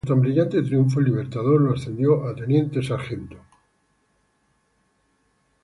Por tan brillantes triunfos el Libertador lo ascendió a Teniente-Coronel.